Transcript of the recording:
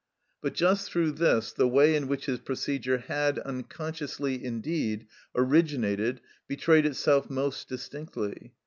But just through this the way in which his procedure had, unconsciously indeed, originated betrayed itself most distinctly.